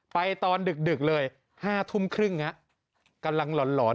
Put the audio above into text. ไปตอนดึกดึกเลยห้าทุ่มครึ่งน่ะกำลังหลอนหลอน